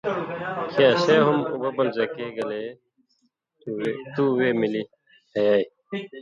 کھیں اسے ہم اُببل زکہ گلے تُو وے ملی کھیائ،